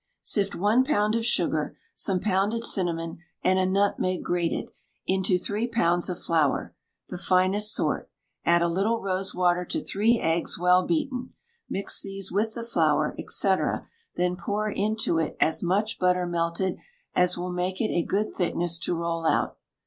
Sift one pound of sugar, some pounded cinnamon and a nutmeg grated, into three pounds of flour, the finest sort; add a little rose water to three eggs well beaten; mix these with the flour, &c. then pour into it as much butter melted as will make it a good thickness to roll out.